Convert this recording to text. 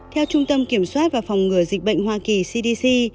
theo trung tâm kiểm soát và phòng ngừa dịch bệnh hoa kỳ cdc